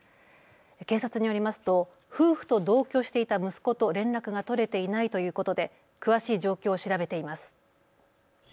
警察によりますと夫婦と同居していた息子と連絡が取れていないということで詳しい状況を調べています。